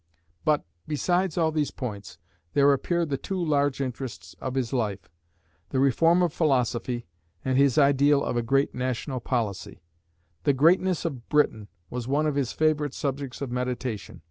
But, besides all these points, there appear the two large interests of his life the reform of philosophy, and his ideal of a great national policy. The "greatness of Britain" was one of his favourite subjects of meditation.